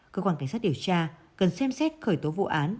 cơ quan cảnh sát điều tra cần xem xét khởi tố vụ án